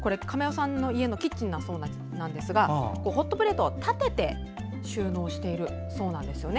さんのキッチンだそうですがホットプレートを立てて収納しているそうなんです。